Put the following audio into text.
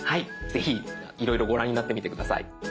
ぜひいろいろご覧になってみて下さい。